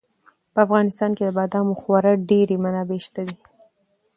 په افغانستان کې د بادامو خورا ډېرې منابع شته دي.